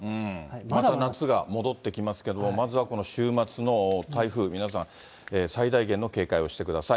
また夏が戻ってきますけど、まずはこの週末の台風、皆さん、最大限の警戒をしてください。